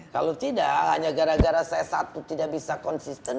kalau tidak hanya gara gara saya satu tidak bisa konsisten